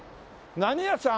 何屋さん？